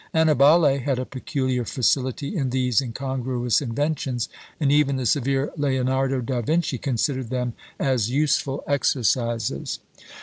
Annibale had a peculiar facility in these incongruous inventions, and even the severe Leonardo da Vinci considered them as useful exercises.